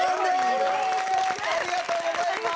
ありがとうございます！